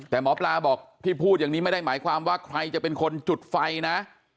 แต่หมอปลาบอกที่พูดอย่างนี้ไม่ได้หมายความว่าใครจะเป็นคนจุดไฟนะ